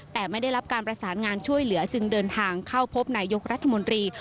แต่ไม่ได้รับการประสานงานช่วยเหลือจึงเดินทางเข้าพบนายยกรัฐมนตรี